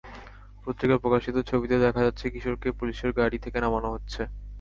পত্রিকায় প্রকাশিত ছবিতে দেখা যাচ্ছে কিশোরকে পুলিশের গাড়ি থেকে নামানো হচ্ছে।